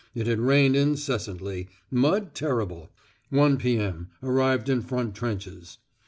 It had rained incessantly. Mud terrible. 1.0 p.m. Arrived in front trenches.